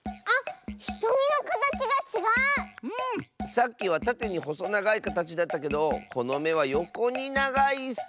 さっきはたてにほそながいかたちだったけどこのめはよこにながいッス！